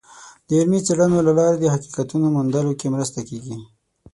د علمي څیړنو له لارې د حقیقتونو موندلو کې مرسته کیږي.